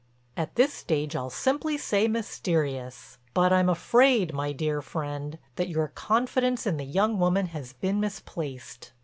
"At this stage I'll simply say mysterious. But I'm afraid, my dear friend, that your confidence in the young woman has been misplaced.